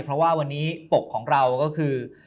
เพราะว่าวันนี้ปกของเราก็คือ